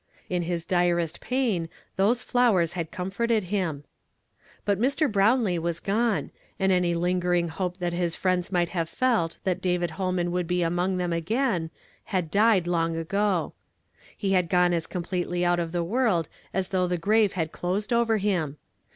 In his direst pain those Mowers had cond"or(ed him. Hut Mr. lirownlee was gone, and any lingering hope that his friends might have felt: tiiat David llolman would ho among them again, had died long ago. lie had gone as completely out of tho world as though the grave had closed over him.